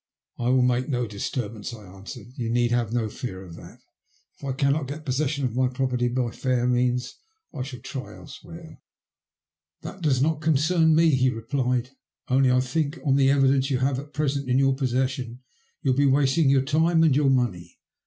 *' I will make no disturbance," I answered. You need have no fear of that. If I cannot get possession of my property by fair means I shall try elsewhere." J liT CHANGS IN LIFE. 81 ''That does not concern me/' he replied. ''Only, I think on the evidence you have at present in your poBsesBion you'll be wasting your time and your money.